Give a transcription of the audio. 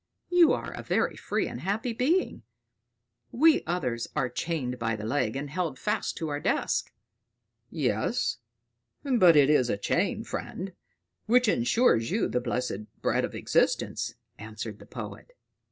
"You are a very free and happy being; we others are chained by the leg and held fast to our desk." "Yes; but it is a chain, friend, which ensures you the blessed bread of existence," answered the poet.